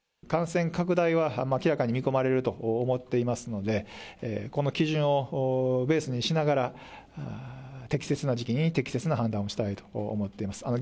感染拡大は明らかに見込まれると思っていますので、この基準をベースにしながら、適切な時期に適切な判断をしたいと思っています。